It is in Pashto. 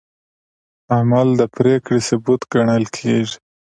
عمل د پرېکړې ثبوت ګڼل کېږي.